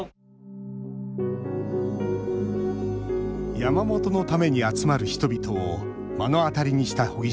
山本のために集まる人々を目の当たりにした荻島さん。